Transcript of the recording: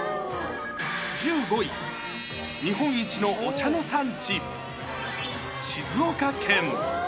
１５位、日本一のお茶の産地、静岡県。